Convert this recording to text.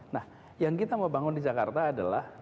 nah yang kita mau bangun di jakarta adalah